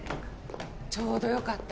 ちょうどよかった